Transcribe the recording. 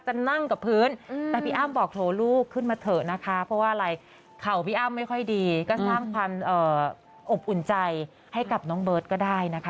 นั่งกับพื้นแต่พี่อ้ำบอกโถลูกขึ้นมาเถอะนะคะเพราะว่าอะไรเข่าพี่อ้ำไม่ค่อยดีก็สร้างความอบอุ่นใจให้กับน้องเบิร์ตก็ได้นะคะ